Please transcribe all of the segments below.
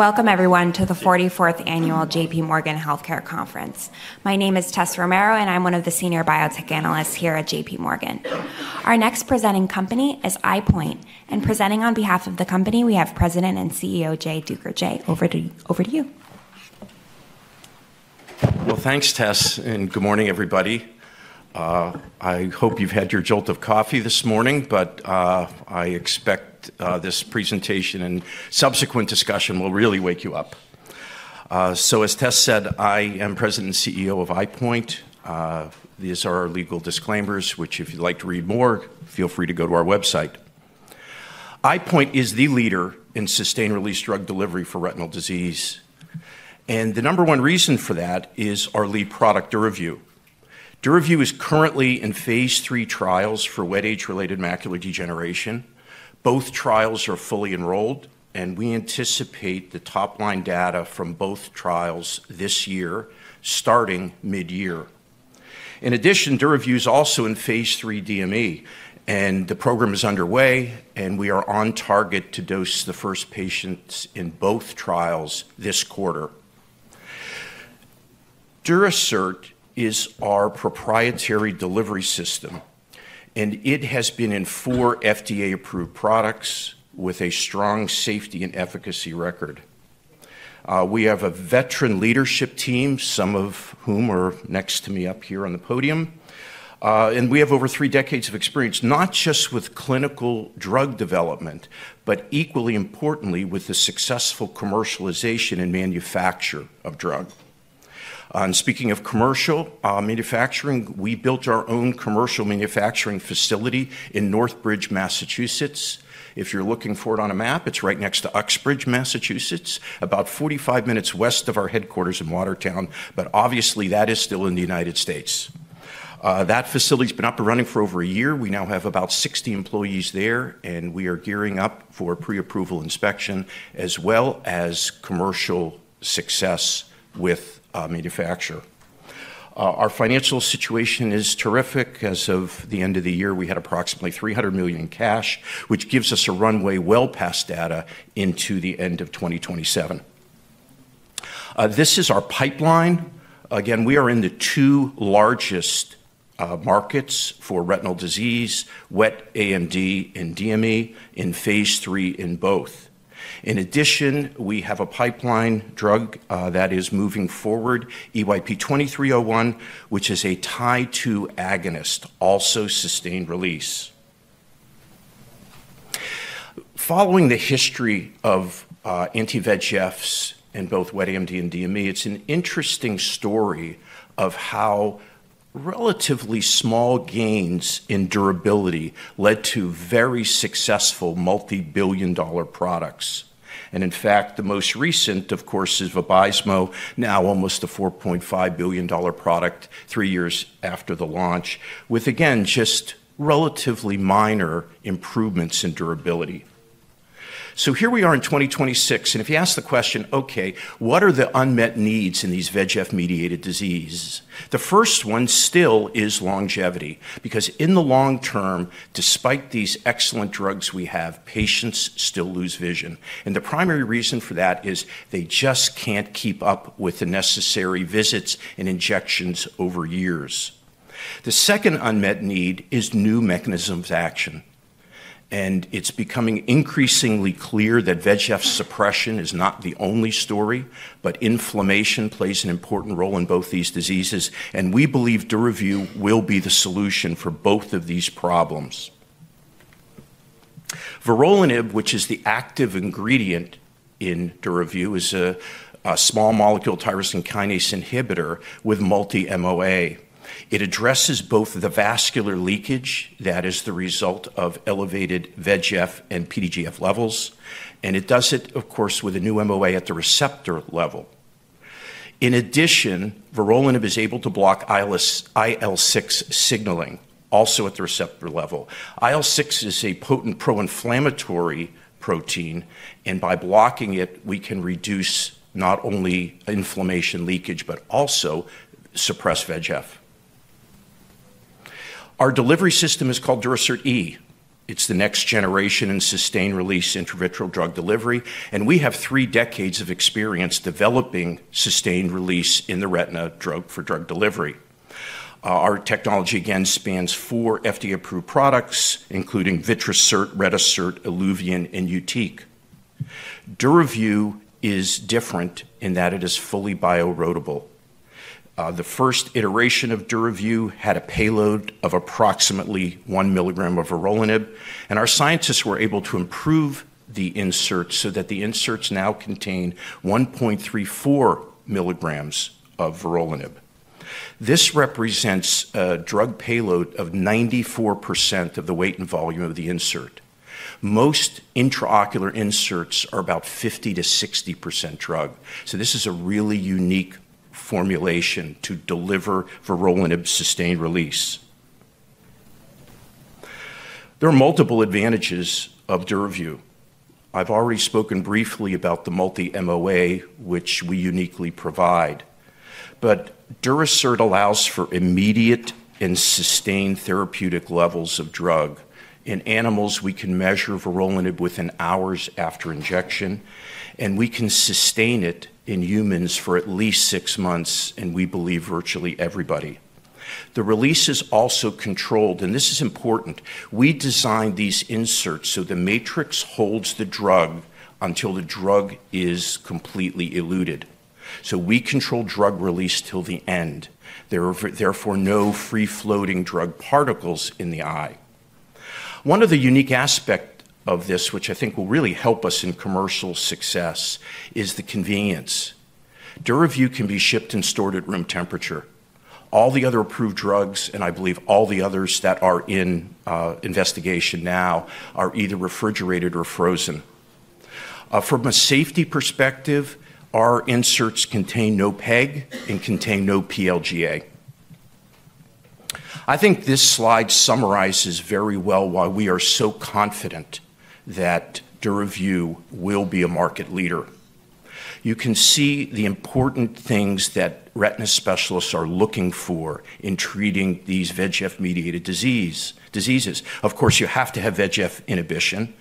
Welcome, everyone, to the 44th Annual JPMorgan Healthcare Conference. My name is Tessa Romero, and I'm one of the Senior Biotech Analysts here at JPMorgan. Our next presenting company is EyePoint. And presenting on behalf of the company, we have President and CEO Jay Duker. Jay, over to you. Thanks, Tess, and good morning, everybody. I hope you've had your jolt of coffee this morning, but I expect this presentation and subsequent discussion will really wake you up. As Tess said, I am President and CEO of EyePoint. These are our legal disclaimers, which, if you'd like to read more, feel free to go to our website. EyePoint is the leader in sustained-release drug delivery for retinal disease. The number one reason for that is our lead product, DURAVYU. DURAVYU is currently in phase III trials for wet age-related macular degeneration. Both trials are fully enrolled, and we anticipate the top-line data from both trials this year, starting mid-year. In addition, DURAVYU is also in phase III DME, and the program is underway, and we are on target to dose the first patients in both trials this quarter. Durasert is our proprietary delivery system, and it has been in four FDA-approved products with a strong safety and efficacy record. We have a veteran leadership team, some of whom are next to me up here on the podium. We have over three decades of experience, not just with clinical drug development, but equally importantly, with the successful commercialization and manufacture of drugs. Speaking of commercial manufacturing, we built our own commercial manufacturing facility in Northbridge, Massachusetts. If you're looking for it on a map, it's right next to Uxbridge, Massachusetts, about 45 minutes west of our headquarters in Watertown, but obviously, that is still in the United States. That facility has been up and running for over a year. We now have about 60 employees there, and we are gearing up for pre-approval inspection, as well as commercial success with manufacture. Our financial situation is terrific, as of the end of the year, we had approximately $300 million in cash, which gives us a runway well past data into the end of 2027. This is our pipeline, again, we are in the two largest markets for retinal disease: wet AMD and DME, in phase III in both. In addition, we have a pipeline drug that is moving forward, EYP-2301, which is a TIE-2 agonist, also sustained-release. Following the history of anti-VEGFs in both wet AMD and DME, it's an interesting story of how relatively small gains in durability led to very successful multi-billion dollar products, and in fact, the most recent, of course, is VABYSMO, now almost a $4.5 billion product, three years after the launch, with, again, just relatively minor improvements in durability. So here we are in 2026, and if you ask the question, "Okay, what are the unmet needs in these VEGF-mediated diseases?" The first one still is longevity, because in the long term, despite these excellent drugs we have, patients still lose vision. And the primary reason for that is they just can't keep up with the necessary visits and injections over years. The second unmet need is new mechanisms of action and it's becoming increasingly clear that VEGF suppression is not the only story, but inflammation plays an important role in both these diseases, and we believe DURAVYU will be the solution for both of these problems. Vorolanib, which is the active ingredient in DURAVYU, is a small molecule tyrosine kinase inhibitor with multi-MOA. It addresses both the vascular leakage that is the result of elevated VEGF and PDGF levels, and it does it, of course, with a new MOA at the receptor level. In addition, vorolanib is able to block IL-6 signaling, also at the receptor level. IL-6 is a potent pro-inflammatory protein, and by blocking it, we can reduce not only inflammation leakage, but also suppress VEGF. Our delivery system is called Durasert E. It's the next generation in sustained-release intravitreal drug delivery, and we have three decades of experience developing sustained-release in-the-retina drug for drug delivery. Our technology, again, spans four FDA-approved products, including Vitrasert, Retisert, Iluvien, and Yutiq. DURAVYU is different in that it is fully bioerodible. The first iteration of DURAVYU had a payload of approximately 1 mg of vorolanib, and our scientists were able to improve the insert so that the inserts now contain 1.34 mg of vorolanib. This represents a drug payload of 94% of the weight and volume of the insert. Most intraocular inserts are about 50%-60% drug, so this is a really unique formulation to deliver vorolanib sustained-release. There are multiple advantages of DURAVYU. I've already spoken briefly about the multi-MOA, which we uniquely provide, but Durasert allows for immediate and sustained therapeutic levels of drug. In animals, we can measure vorolanib within hours after injection, and we can sustain it in humans for at least six months, and we believe virtually everybody. The release is also controlled, and this is important. We designed these inserts so the matrix holds the drug until the drug is completely eluted, so we control drug release till the end. There are therefore no free-floating drug particles in the eye. One of the unique aspects of this, which I think will really help us in commercial success, is the convenience. DURAVYU can be shipped and stored at room temperature. All the other approved drugs, and I believe all the others that are in investigation now, are either refrigerated or frozen. From a safety perspective, our inserts contain no PEG and contain no PLGA. I think this slide summarizes very well why we are so confident that DURAVYU will be a market leader. You can see the important things that retina specialists are looking for in treating these VEGF-mediated diseases. Of course, you have to have VEGF inhibition,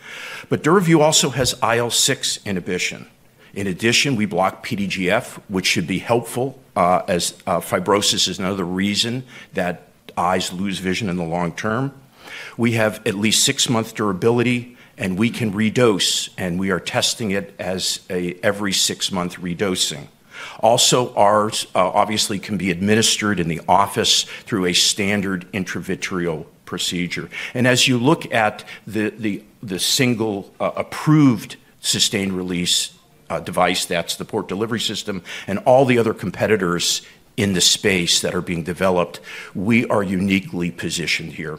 but DURAVYU also has IL-6 inhibition. In addition, we block PDGF, which should be helpful as fibrosis is another reason that eyes lose vision in the long term. We have at least six-month durability, and we can redose, and we are testing it as an every-six-month redosing. Also, ours obviously can be administered in the office through a standard intravitreal procedure. And as you look at the single approved sustained-release device, that's the port delivery system, and all the other competitors in the space that are being developed, we are uniquely positioned here.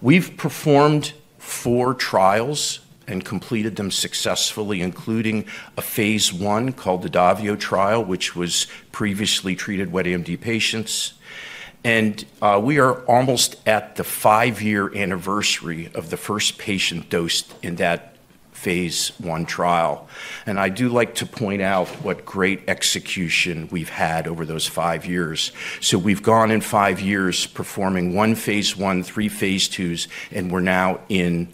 We've performed four trials and completed them successfully, including a phase I called the DAVIO trial, which was previously treated wet AMD patients and we are almost at the five-year anniversary of the first patient dosed in that phase I trial. I do like to point out what great execution we've had over those five years. So we've gone in five years performing one phase I, three phase IIs, and we're now in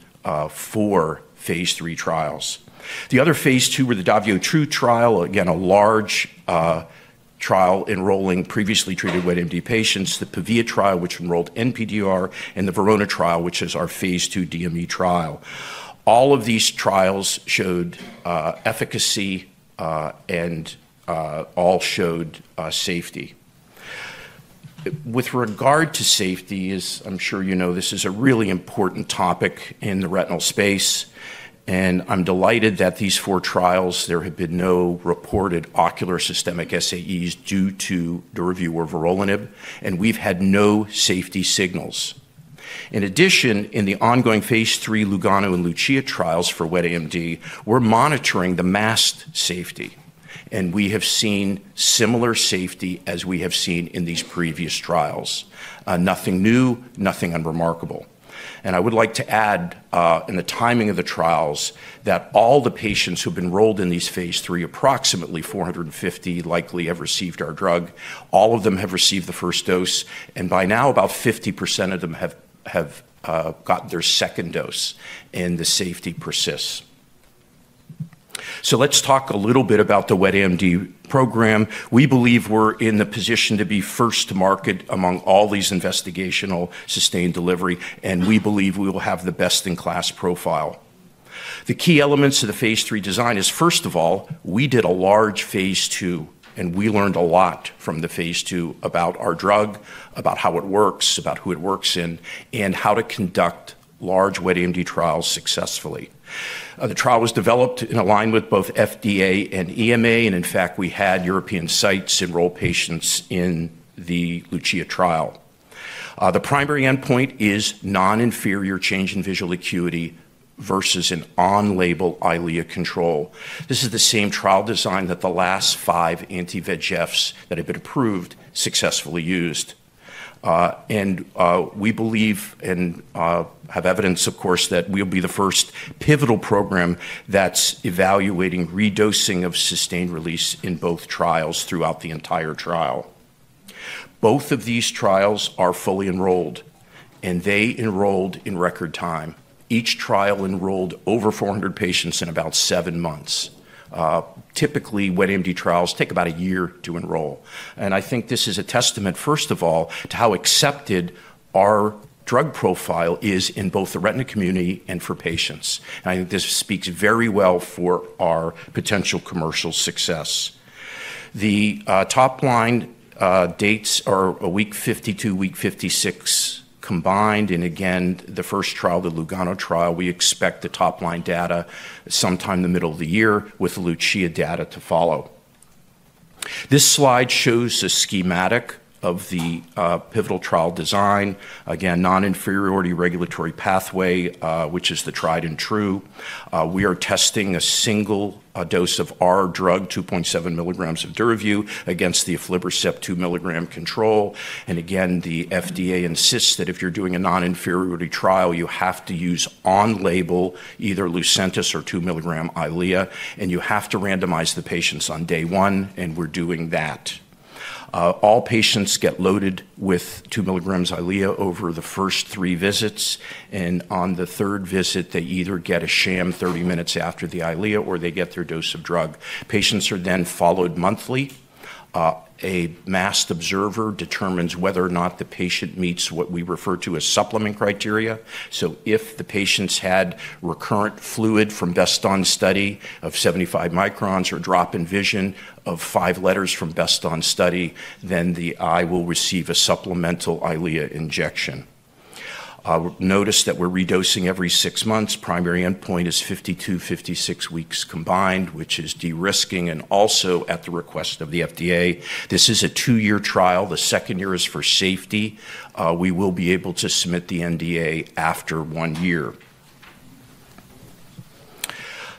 four phase III trials. The other phase II were the DAVIO 2 trial, again, a large trial enrolling previously treated wet AMD patients, the PAVIA trial, which enrolled NPDR, and the VERONA trial, which is our phase II DME trial. All of these trials showed efficacy and all showed safety. With regard to safety, as I'm sure you know, this is a really important topic in the retinal space, and I'm delighted that these four trials, there have been no reported ocular systemic SAEs due to DURAVYU or vorolanib, and we've had no safety signals. In addition, in the ongoing phase III LUGANO and LUCIA trials for wet AMD, we're monitoring the masked safety, and we have seen similar safety as we have seen in these previous trials. Nothing new, nothing unremarkable. I would like to add, in the timing of the trials, that all the patients who have been enrolled in these phase III, approximately 450 likely have received our drug. All of them have received the first dose, and by now, about 50% of them have gotten their second dose, and the safety persists. Let's talk a little bit about the wet AMD program. We believe we're in the position to be first to market among all these investigational sustained delivery, and we believe we will have the best-in-class profile. The key elements of the phase III design is, first of all, we did a large phase II, and we learned a lot from the phase II about our drug, about how it works, about who it works in, and how to conduct large wet AMD trials successfully. The trial was developed in alignment with both FDA and EMA, and in fact, we had European sites enroll patients in the LUCIA trial. The primary endpoint is non-inferior change in visual acuity versus an on-label Eylea control. This is the same trial design that the last five anti-VEGFs that have been approved successfully used, and we believe and have evidence, of course, that we'll be the first pivotal program that's evaluating redosing of sustained-release in both trials throughout the entire trial. Both of these trials are fully enrolled, and they enrolled in record time. Each trial enrolled over 400 patients in about seven months. Typically, wet AMD trials take about a year to enroll, and I think this is a testament, first of all, to how accepted our drug profile is in both the retina community and for patients. I think this speaks very well for our potential commercial success. The top-line dates are week 52, week 56 combined, and again, the first trial, the LUGANO trial, we expect the top-line data sometime in the middle of the year with LUCIA data to follow. This slide shows a schematic of the pivotal trial design, again, non-inferiority regulatory pathway, which is the tried and true. We are testing a single dose of our drug, 2.7 mg of DURAVYU, against the aflibercept 2 mg control. Again, the FDA insists that if you're doing a non-inferiority trial, you have to use on-label either LUCENTIS or 2 mg Eylea, and you have to randomize the patients on day one, and we're doing that. All patients get loaded with 2 mg Eylea over the first three visits, and on the third visit, they either get a sham 30 minutes after the Eylea or they get their dose of drug. Patients are then followed monthly. A masked observer determines whether or not the patient meets what we refer to as supplement criteria, so if the patients had recurrent fluid from best on study of 75 microns or drop in vision of five letters from best on study, then the eye will receive a supplemental Eylea injection. Notice that we're redosing every six months. Primary endpoint is 52-56 weeks combined, which is de-risking and also at the request of the FDA. This is a two-year trial. The second year is for safety. We will be able to submit the NDA after one year.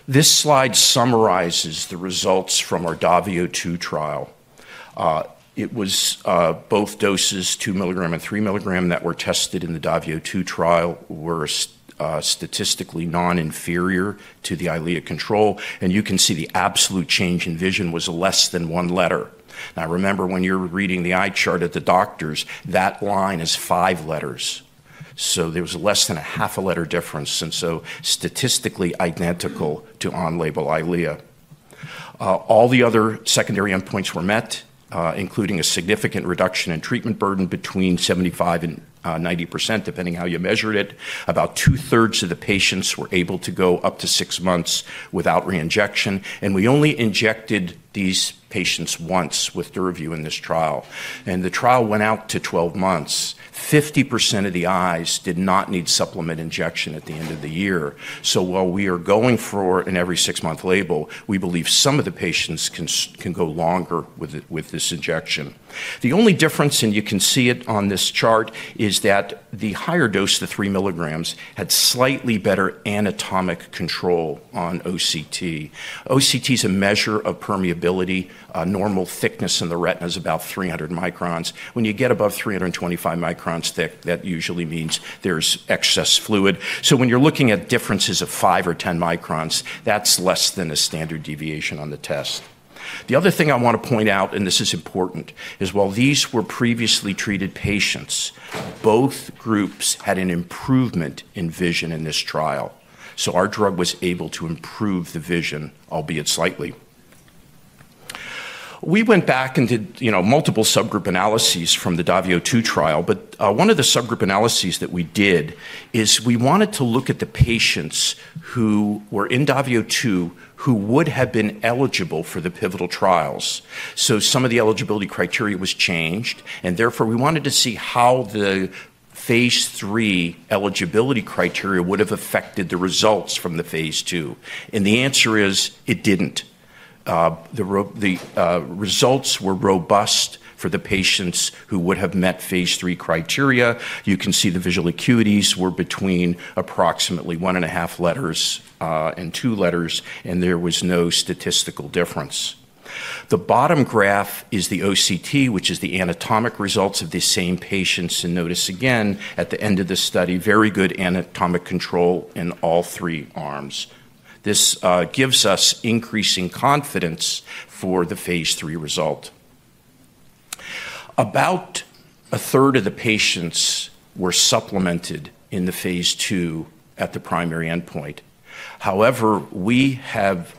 This slide summarizes the results from our DAVIO 2 trial. It was both doses, 2 mg and 3 mg, that were tested in the DAVIO 2 trial were statistically non-inferior to the Eylea control, and you can see the absolute change in vision was less than one letter. Now, remember when you're reading the eye chart at the doctors, that line is five letters. So there was less than a half a letter difference, and so statistically identical to on-label Eylea. All the other secondary endpoints were met, including a significant reduction in treatment burden between 75%-90%, depending how you measured it. About 2/3 of the patients were able to go up to six months without re-injection, and we only injected these patients once with DURAVYU in this trial. And the trial went out to 12 months. 50% of the eyes did not need supplement injection at the end of the year. While we are going for an every-six-month label, we believe some of the patients can go longer with this injection. The only difference, and you can see it on this chart, is that the higher dose, the 3 mg, had slightly better anatomic control on OCT. OCT is a measure of permeability. Normal thickness in the retina is about 300 microns. When you get above 325 microns thick, that usually means there's excess fluid. When you're looking at differences of 5 or 10 microns, that's less than a standard deviation on the test. The other thing I want to point out, and this is important, is while these were previously treated patients, both groups had an improvement in vision in this trial. Our drug was able to improve the vision, albeit slightly. We went back and did multiple subgroup analyses from the DAVIO 2 trial, but one of the subgroup analyses that we did is we wanted to look at the patients who were in DAVIO 2 who would have been eligible for the pivotal trials. So some of the eligibility criteria was changed, and therefore we wanted to see how the phase III eligibility criteria would have affected the results from the phase II, and the answer is it didn't. The results were robust for the patients who would have met phase III criteria. You can see the visual acuities were between approximately one and a half letters and two letters, and there was no statistical difference. The bottom graph is the OCT, which is the anatomic results of these same patients, and notice again at the end of the study, very good anatomic control in all three arms. This gives us increasing confidence for the phase III result. About a third of the patients were supplemented in the phase II at the primary endpoint. However, we have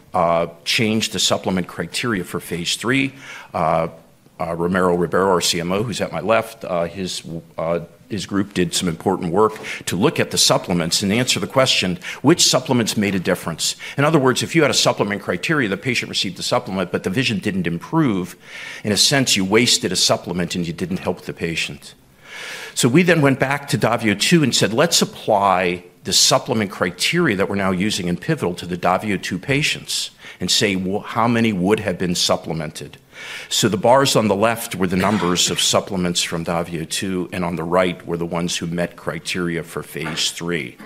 changed the supplement criteria for phase III. Ramiro Ribeiro, our CMO, who's at my left, his group did some important work to look at the supplements and answer the question, "Which supplements made a difference?" In other words, if you had a supplement criteria, the patient received the supplement, but the vision didn't improve, in a sense, you wasted a supplement and you didn't help the patient. So we then went back to DAVIO 2 and said, "Let's apply the supplement criteria that we're now using in pivotal to the DAVIO 2 patients and say how many would have been supplemented." So the bars on the left were the numbers of supplements from DAVIO 2, and on the right were the ones who met criteria for phase III.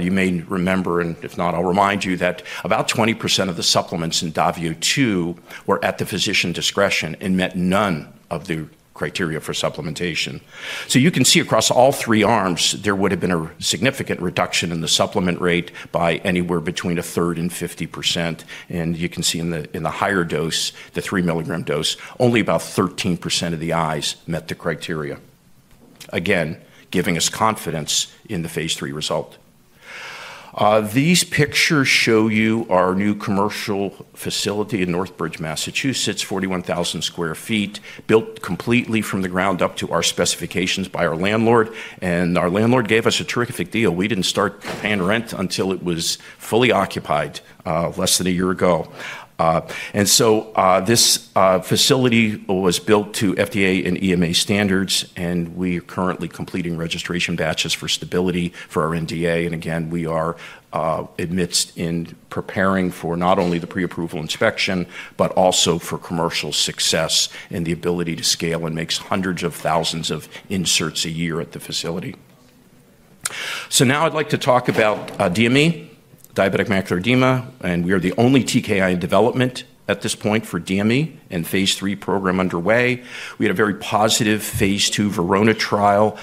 You may remember, and if not, I'll remind you that about 20% of the supplements in DAVIO 2 were at the physician discretion and met none of the criteria for supplementation. So you can see across all three arms, there would have been a significant reduction in the supplement rate by anywhere between 1/3 and 50%, and you can see in the higher dose, the 3 mg dose, only about 13% of the eyes met the criteria. Again, giving us confidence in the phase III result. These pictures show you our new commercial facility in Northbridge, Massachusetts, 41,000 sq ft, built completely from the ground up to our specifications by our landlord, and our landlord gave us a terrific deal. We didn't start paying rent until it was fully occupied less than a year ago, and so this facility was built to FDA and EMA standards, and we are currently completing registration batches for stability for our NDA, and again, we are amidst in preparing for not only the pre-approval inspection, but also for commercial success and the ability to scale and make hundreds of thousands of inserts a year at the facility, so now I'd like to talk about DME, diabetic macular edema, and we are the only TKI in development at this point for DME and phase III program underway. We had a very positive phase II VERONA trial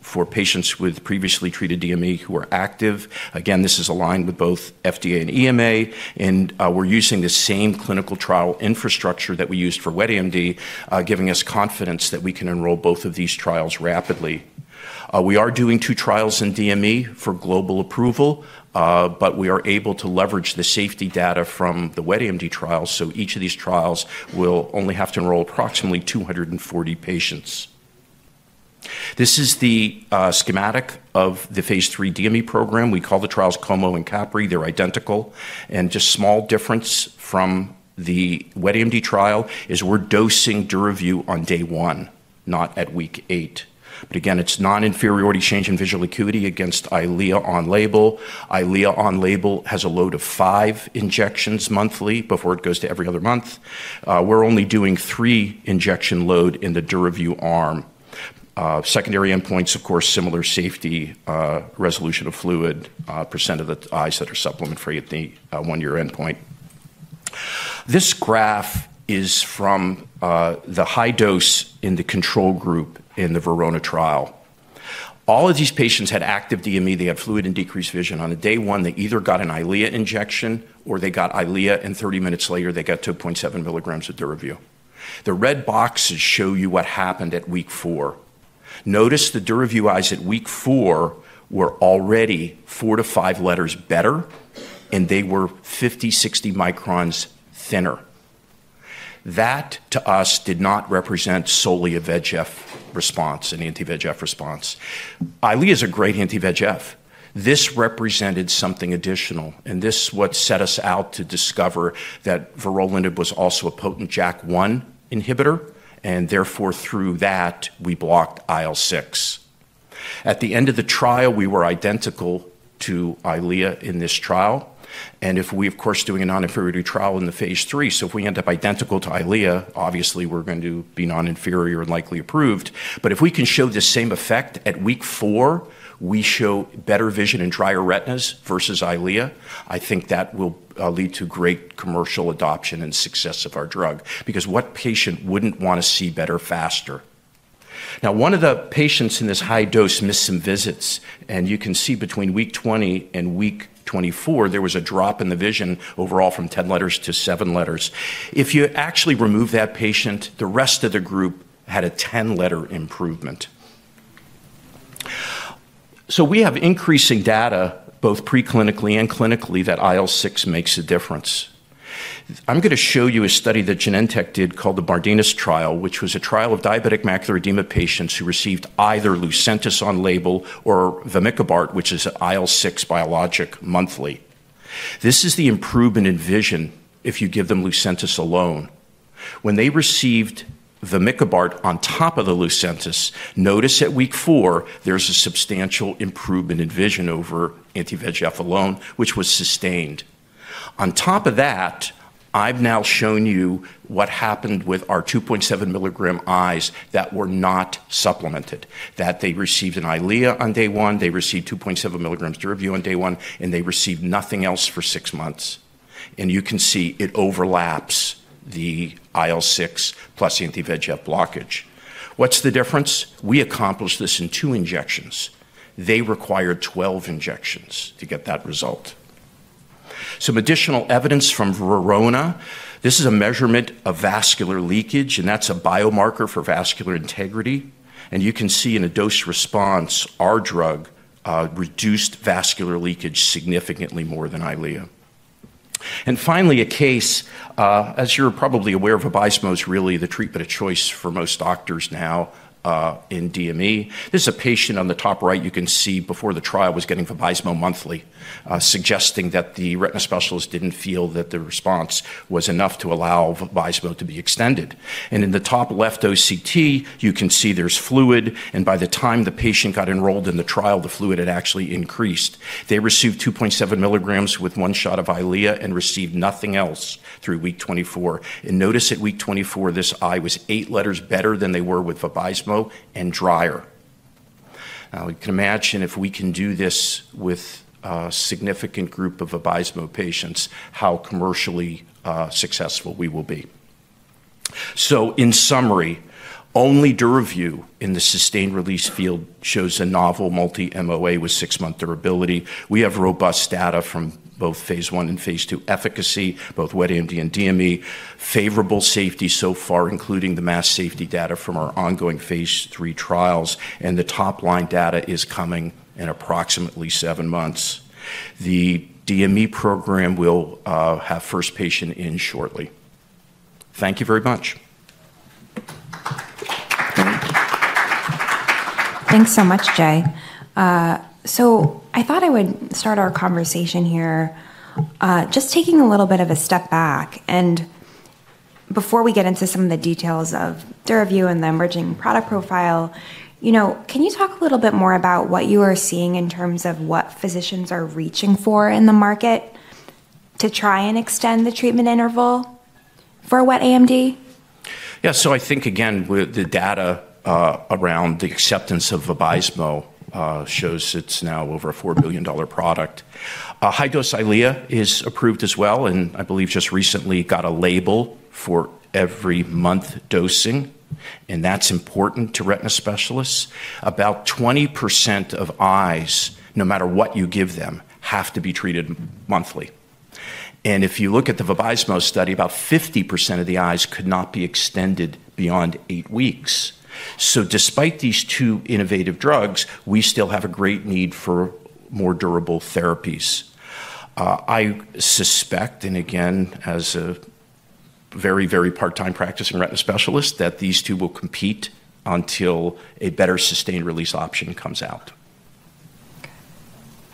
for patients with previously treated DME who are active. Again, this is aligned with both FDA and EMA, and we're using the same clinical trial infrastructure that we used for wet AMD, giving us confidence that we can enroll both of these trials rapidly. We are doing two trials in DME for global approval, but we are able to leverage the safety data from the wet AMD trials, so each of these trials will only have to enroll approximately 240 patients. This is the schematic of the phase III DME program. We call the trials COMO and CAPRI. They're identical, and just a small difference from the wet AMD trial is we're dosing DURAVYU on day one, not at week eight. But again, it's non-inferiority change in visual acuity against Eylea on label. Eylea on label has a load of five injections monthly before it goes to every other month. We're only doing three injection load in the DURAVYU arm. Secondary endpoints, of course, similar safety, resolution of fluid, percent of the eyes that are supplement-free at the one-year endpoint. This graph is from the high dose in the control group in the VERONA trial. All of these patients had active DME. They had fluid and decreased vision. On day one, they either got an Eylea injection or they got Eylea, and 30 minutes later, they got 2.7 mg of DURAVYU. The red boxes show you what happened at week four, notice the DURAVYU eyes at week four were already four to five letters better, and they were 50-60 microns thinner. That, to us, did not represent solely a VEGF response, an anti-VEGF response. Eylea is a great anti-VEGF. This represented something additional, and this is what set us out to discover that vorolanib was also a potent JAK1 inhibitor, and therefore, through that, we blocked IL-6. At the end of the trial, we were identical to Eylea in this trial, and if we, of course, doing a non-inferiority trial in the phase III, so if we end up identical to Eylea, obviously, we're going to be non-inferior and likely approved. But if we can show the same effect at week four, we show better vision and drier retinas versus Eylea, I think that will lead to great commercial adoption and success of our drug because what patient wouldn't want to see better faster? Now, one of the patients in this high dose missed some visits, and you can see between week 20 and week 24, there was a drop in the vision overall from 10 letters to 7 letters. If you actually remove that patient, the rest of the group had a 10-letter improvement. So we have increasing data, both preclinically and clinically, that IL-6 makes a difference. I'm going to show you a study that Genentech did called the BARDENAS trial, which was a trial of diabetic macular edema patients who received either LUCENTIS on label or vemicabart, which is IL-6 biologic monthly. This is the improvement in vision if you give them LUCENTIS alone. When they received vemicabart on top of the LUCENTIS, notice at week four, there's a substantial improvement in vision over anti-VEGF alone, which was sustained. On top of that, I've now shown you what happened with our 2.7 mg eyes that were not supplemented, that they received an Eylea on day one, they received 2.7 mg DURAVYU on day one, and they received nothing else for six months. And you can see it overlaps the IL-6 plus anti-VEGF blockage. What's the difference? We accomplished this in two injections. They required 12 injections to get that result. Some additional evidence from VERONA. This is a measurement of vascular leakage, and that's a biomarker for vascular integrity and you can see in a dose response, our drug reduced vascular leakage significantly more than Eylea. Finally, in case, as you're probably aware of, VABYSMO is really the treatment of choice for most doctors now in DME. This is a patient on the top right you can see before the trial was getting VABYSMO monthly, suggesting that the retina specialist didn't feel that the response was enough to allow VABYSMO to be extended. And in the top left OCT, you can see there's fluid, and by the time the patient got enrolled in the trial, the fluid had actually increased. They received 2.7 mg with one shot of Eylea and received nothing else through week 24. And notice at week 24, this eye was eight letters better than they were with VABYSMO and drier. Now, you can imagine if we can do this with a significant group of VABYSMO patients, how commercially successful we will be. So in summary, only DURAVYU in the sustained release field shows a novel multi-MOA with six-month durability. We have robust data from both phase I and phase II efficacy, both wet AMD and DME, favorable safety so far, including the pooled safety data from our ongoing phase III trials, and the top-line data is coming in approximately seven months. The DME program will have first patient in shortly. Thank you very much. Thanks so much, Jay. I thought I would start our conversation here just taking a little bit of a step back. Before we get into some of the details of DURAVYU and the emerging product profile, can you talk a little bit more about what you are seeing in terms of what physicians are reaching for in the market to try and extend the treatment interval for wet AMD? Yeah. So I think, again, the data around the acceptance of VABYSMO shows it's now over a $4 billion product. High-dose Eylea is approved as well, and I believe just recently got a label for every month dosing, and that's important to retina specialists. About 20% of eyes, no matter what you give them, have to be treated monthly and if you look at the VABYSMO study, about 50% of the eyes could not be extended beyond eight weeks. So despite these two innovative drugs, we still have a great need for more durable therapies. I suspect, and again, as a very, very part-time practicing retina specialist, that these two will compete until a better sustained release option comes out.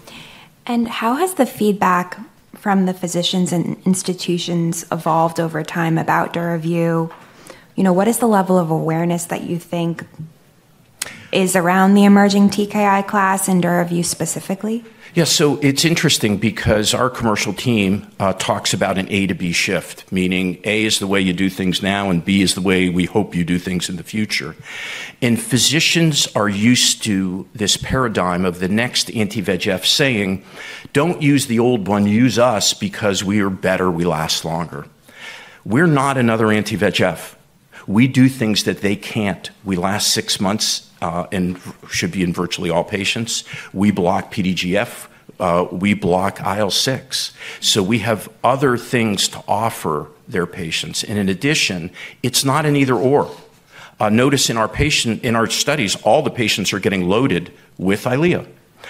Okay. And how has the feedback from the physicians and institutions evolved over time about DURAVYU? What is the level of awareness that you think is around the emerging TKI class and DURAVYU specifically? Yeah. So it's interesting because our commercial team talks about an A-to-B shift, meaning A is the way you do things now, and B is the way we hope you do things in the future. And physicians are used to this paradigm of the next anti-VEGF saying, "Don't use the old one. Use us because we are better. We last longer." We're not another anti-VEGF. We do things that they can't. We last six months and should be in virtually all patients. We block PDGF. We block IL-6. So we have other things to offer their patients. And in addition, it's not an either/or. Notice in our studies, all the patients are getting loaded with Eylea,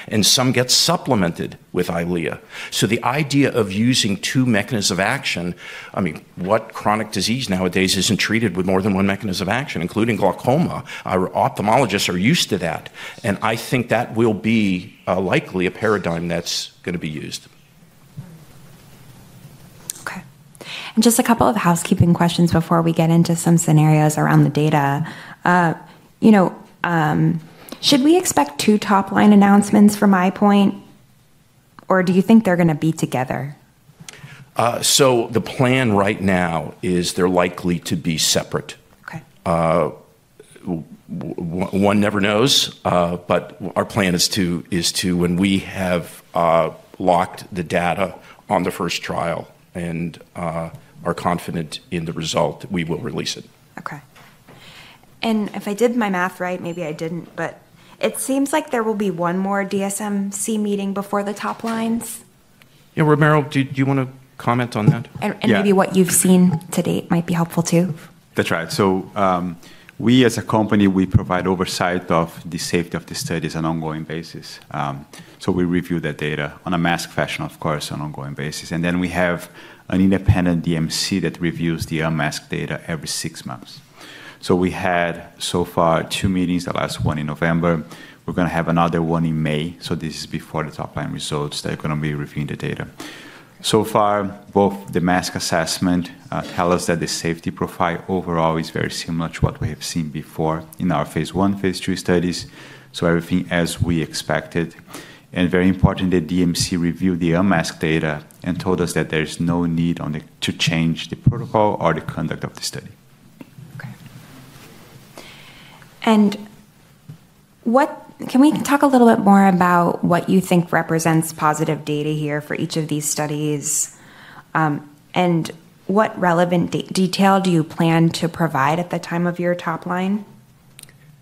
and some get supplemented with Eylea. So the idea of using two mechanisms of action, I mean, what chronic disease nowadays isn't treated with more than one mechanism of action, including glaucoma. Our ophthalmologists are used to that, and I think that will be likely a paradigm that's going to be used. Okay. And just a couple of housekeeping questions before we get into some scenarios around the data. Should we expect two top-line announcements for EyePoint, or do you think they're going to be together? So the plan right now is they're likely to be separate. One never knows, but our plan is to, when we have locked the data on the first trial and are confident in the result, we will release it. Okay and if I did my math right, maybe I didn't, but it seems like there will be one more DSMC meeting before the top lines. Yeah. Ramiro, do you want to comment on that? Maybe what you've seen to date might be helpful too. That's right. So we, as a company, we provide oversight of the safety of the studies on an ongoing basis. So we review that data in a masked fashion, of course, on an ongoing basis. And then we have an independent DMC that reviews the unmasked data every six months. So we had so far two meetings, the last one in November we're going to have another one in May. So this is before the top-line results that are going to be reviewing the data. So far, both the masked assessment tell us that the safety profile overall is very similar to what we have seen before in our phase I, phase II studies. So everything as we expected and very important, the DMC reviewed the unmasked data and told us that there's no need to change the protocol or the conduct of the study. Okay and can we talk a little bit more about what you think represents positive data here for each of these studies? And what relevant detail do you plan to provide at the time of your top line?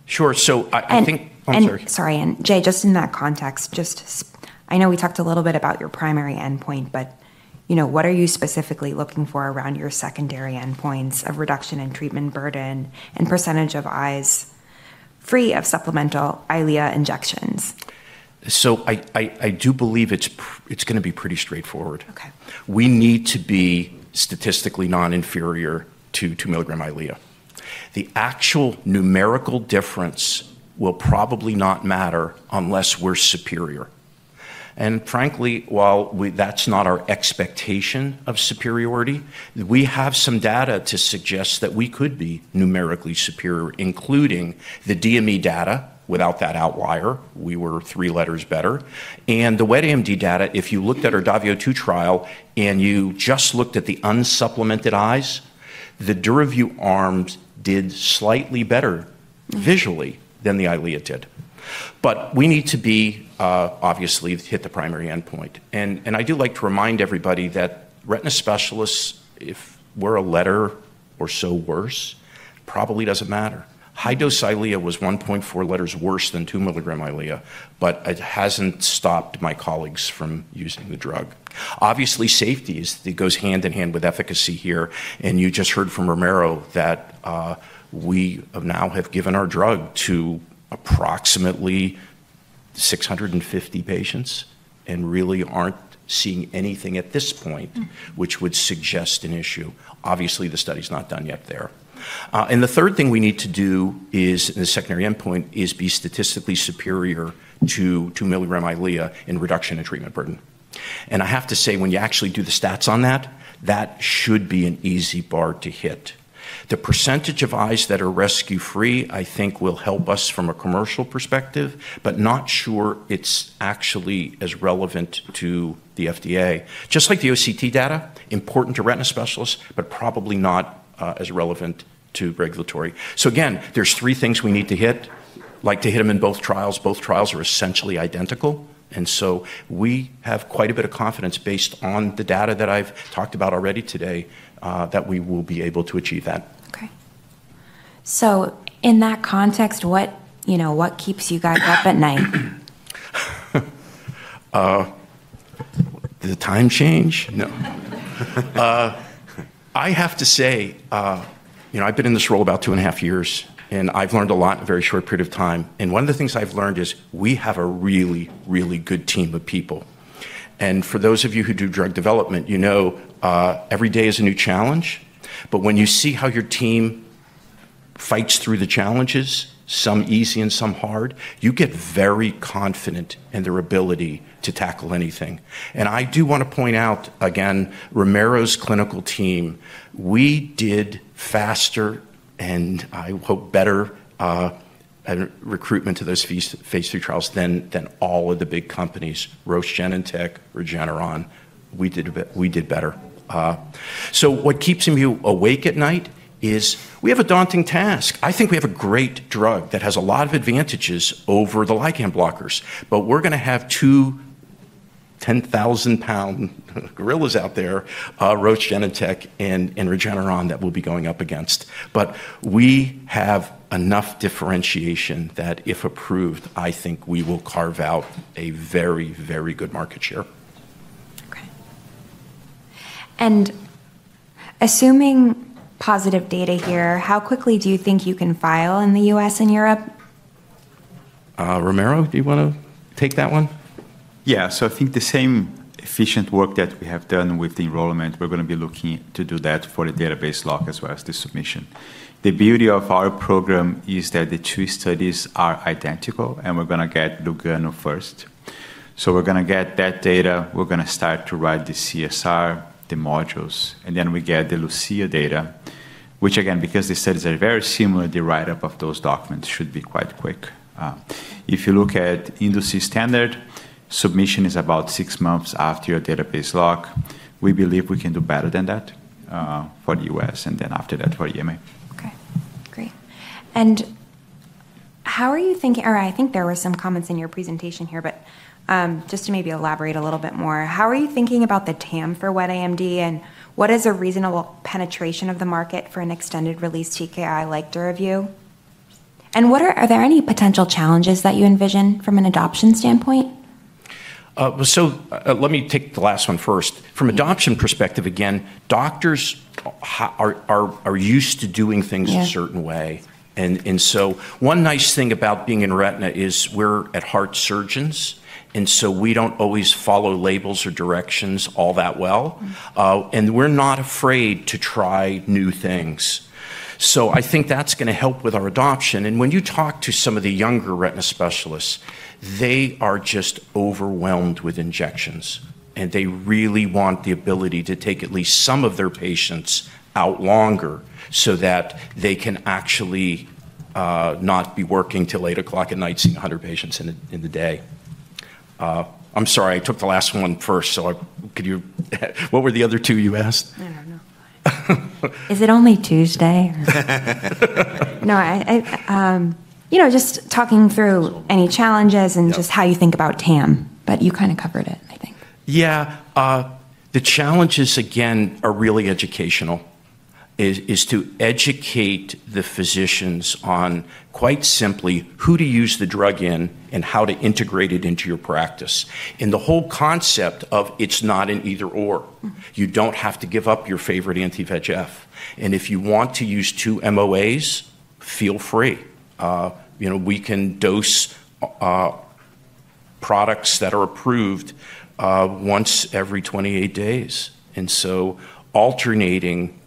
Sure. So I think. Sorry. Jay, just in that context, just I know we talked a little bit about your primary endpoint, but what are you specifically looking for around your secondary endpoints of reduction in treatment burden and percentage of eyes free of supplemental Eylea injections? I do believe it's going to be pretty straightforward. We need to be statistically non-inferior to 2 mg Eylea. The actual numerical difference will probably not matter unless we're superior. Frankly, while that's not our expectation of superiority, we have some data to suggest that we could be numerically superior, including the DME data. Without that outlier, we were three letters better. The wet AMD data, if you looked at our DAVIO 2 trial and you just looked at the unsupplemented eyes, the DURAVYU arms did slightly better visually than the Eylea did. We need to obviously hit the primary endpoint. I do like to remind everybody that retina specialists, if we're a letter or so worse, probably doesn't matter. High-dose Eylea was 1.4 letters worse than 2 mg Eylea, but it hasn't stopped my colleagues from using the drug. Obviously, safety goes hand in hand with efficacy here. And you just heard from Ramiro that we now have given our drug to approximately 650 patients and really aren't seeing anything at this point, which would suggest an issue. Obviously, the study's not done yet there and the third thing we need to do is, in the secondary endpoint, is be statistically superior to 2 mg Eylea in reduction in treatment burden. I have to say, when you actually do the stats on that, that should be an easy bar to hit. The percentage of eyes that are rescue-free, I think, will help us from a commercial perspective, but not sure it's actually as relevant to the FDA. Just like the OCT data, important to retina specialists, but probably not as relevant to regulatory. So again, there's three things we need to hit. Like to hit them in both trials. Both trials are essentially identical, and so we have quite a bit of confidence based on the data that I've talked about already today that we will be able to achieve that. Okay. So in that context, what keeps you guys up at night? The time change? No. I have to say, I've been in this role about two and a half years, and I've learned a lot in a very short period of time, and one of the things I've learned is we have a really, really good team of people. And for those of you who do drug development, you know every day is a new challenge, but when you see how your team fights through the challenges, some easy and some hard, you get very confident in their ability to tackle anything, and I do want to point out, again, Ramiro's clinical team, we did faster and I hope better recruitment to those phase III trials than all of the big companies, Roche, Genentech, Regeneron. We did better, so what keeps me awake at night is we have a daunting task. I think we have a great drug that has a lot of advantages over the ligand blockers, but we're going to have two 10,000 lbs gorillas out there, Roche, Genentech, and Regeneron that we'll be going up against, but we have enough differentiation that if approved, I think we will carve out a very, very good market share. Okay, and assuming positive data here, how quickly do you think you can file in the U.S. and Europe? Ramiro, do you want to take that one? Yeah. So I think the same efficient work that we have done with the enrollment, we're going to be looking to do that for the database lock as well as the submission. The beauty of our program is that the two studies are identical, and we're going to get LUGANO first. So we're going to get that data. We're going to start to write the CSR, the modules, and then we get the LUCIA data, which, again, because the studies are very similar, the write-up of those documents should be quite quick. If you look at industry standard, submission is about six months after your database lock. We believe we can do better than that for the U.S. and then after that for EMA. Okay. Great. And how are you thinking? Or I think there were some comments in your presentation here, but just to maybe elaborate a little bit more, how are you thinking about the TAM for wet AMD, and what is a reasonable penetration of the market for an extended release TKI like DURAVYU? And are there any potential challenges that you envision from an adoption standpoint? So let me take the last one first. From adoption perspective, again, doctors are used to doing things a certain way. And so one nice thing about being in retina is we're surgeons at heart, and so we don't always follow labels or directions all that well. And we're not afraid to try new things. So I think that's going to help with our adoption. And when you talk to some of the younger retina specialists, they are just overwhelmed with injections, and they really want the ability to take at least some of their patients out longer so that they can actually not be working till 8:00 P.M. at night seeing 100 patients in the day. I'm sorry, I took the last one first. So what were the other two you asked? I don't know. Is it only Tuesday? No, just talking through any challenges and just how you think about TAM, but you kind of covered it, I think. Yeah. The challenges, again, are really educational. It's to educate the physicians on, quite simply, who to use the drug in and how to integrate it into your practice. And the whole concept of it's not an either/or. You don't have to give up your favorite anti-VEGF. And if you want to use two MOAs, feel free. We can dose products that are approved once every 28 days. And so alternating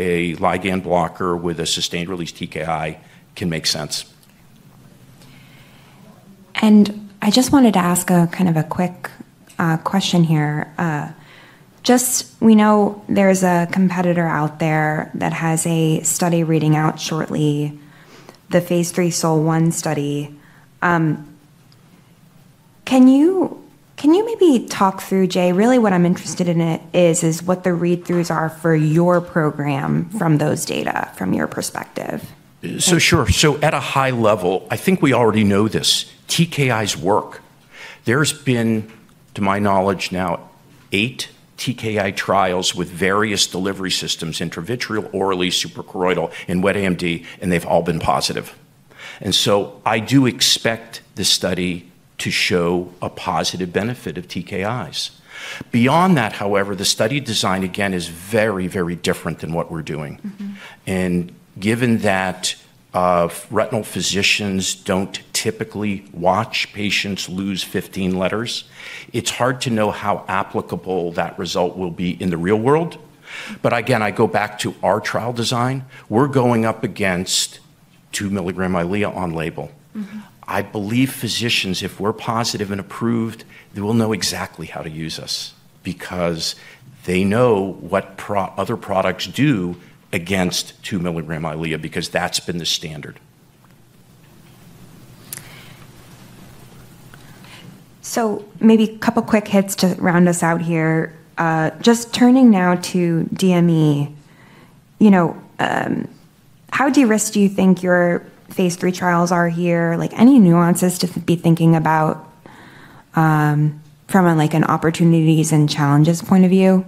a ligand blocker with a sustained release TKI can make sense. I just wanted to ask kind of a quick question here. We know there's a competitor out there that has a study reading out shortly, the phase III SOL-1 study. Can you maybe talk through, Jay, really what I'm interested in is what the read-throughs are for your program from those data, from your perspective? So, sure. So at a high level, I think we already know this. TKIs work. There's been, to my knowledge now, eight TKI trials with various delivery systems, intravitreal, orally, suprachoroidal, and wet AMD, and they've all been positive. And so I do expect the study to show a positive benefit of TKIs. Beyond that, however, the study design, again, is very, very different than what we're doing. And given that retinal physicians don't typically watch patients lose 15 letters, it's hard to know how applicable that result will be in the real world. But again, I go back to our trial design. We're going up against 2 mg Eylea on label. I believe physicians, if we're positive and approved, they will know exactly how to use us because they know what other products do against 2 mg Eylea because that's been the standard. So maybe a couple of quick hits to round us out here. Just turning now to DME, how de-risked do you think your phase III trials are here? Any nuances to be thinking about from an opportunities and challenges point of view?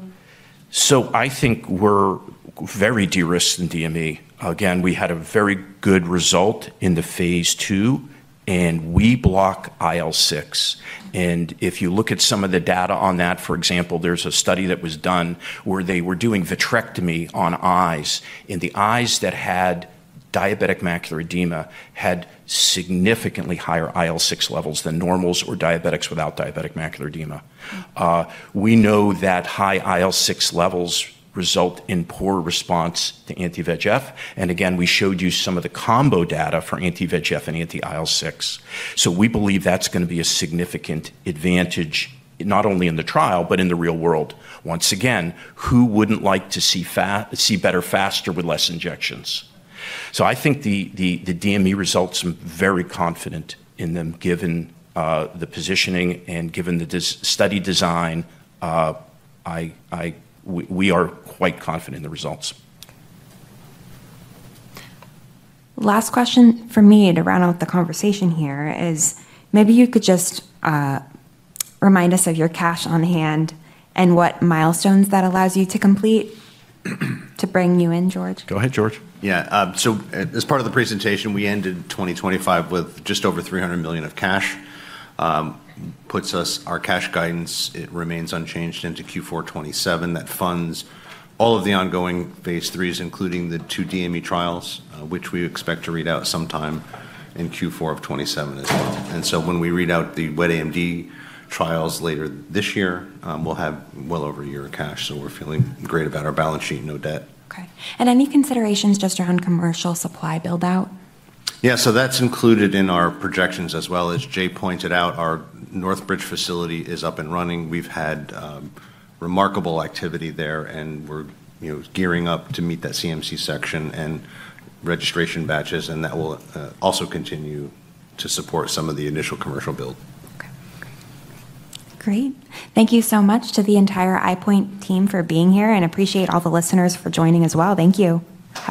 So I think we're very de-risked in DME. Again, we had a very good result in the phase II, and we block IL-6. And if you look at some of the data on that, for example, there's a study that was done where they were doing vitrectomy on eyes. And the eyes that had diabetic macular edema had significantly higher IL-6 levels than normals or diabetics without diabetic macular edema. We know that high IL-6 levels result in poor response to anti-VEGF. And again, we showed you some of the combo data for anti-VEGF and anti-IL-6. So we believe that's going to be a significant advantage, not only in the trial, but in the real world. Once again, who wouldn't like to see better faster with less injections? So I think the DME results are very confident in them, given the positioning and given the study design. We are quite confident in the results. Last question for me to round out the conversation here is maybe you could just remind us of your cash on hand and what milestones that allows you to complete to bring you in, George? Go ahead, George. Yeah, so as part of the presentation, we enter 2025 with just over $300 million of cash. It puts us on our cash guidance. It remains unchanged into Q4 2027 that funds all of the ongoing phase IIIs, including the two DME trials, which we expect to read out sometime in Q4 of 2027 as well, and so when we read out the wet AMD trials later this year, we'll have well over a year of cash, so we're feeling great about our balance sheet, no debt. Okay, and any considerations just around commercial supply buildout? Yeah. So that's included in our projections as well. As Jay pointed out, our Northbridge facility is up and running. We've had remarkable activity there, and we're gearing up to meet that CMC section and registration batches. And that will also continue to support some of the initial commercial build. Okay. Great. Thank you so much to the entire EyePoint team for being here, and appreciate all the listeners for joining as well. Thank you.